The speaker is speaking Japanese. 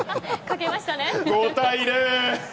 ５対０。